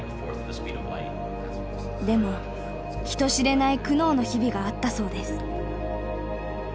でも人知れない苦悩の日々があったそうです。